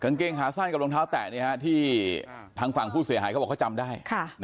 เกงขาสั้นกับรองเท้าแตะที่ทางฝั่งผู้เสียหายเขาบอกเขาจำได้